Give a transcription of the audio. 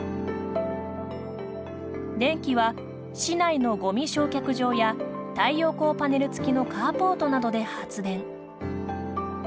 電気は市内のゴミ焼却場や太陽光パネル付きのカーポートなどで発電。